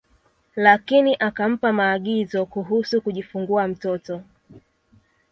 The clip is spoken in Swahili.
Lakini akampa maagizo kuhusu kujifungua mtoto